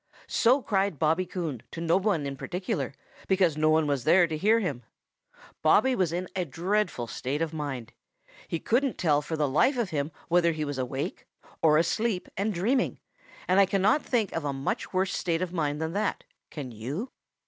|SO cried Bobby Coon to no one in particular, because no one was there to hear him. Bobby was in a dreadful state of mind. He couldn't tell for the life of him whether he was awake, or asleep and dreaming, and I cannot think of a much worse state of mind than that, can you?